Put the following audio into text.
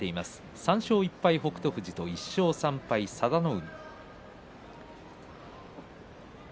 ３勝１敗、北勝富士と１勝３敗、佐田の海。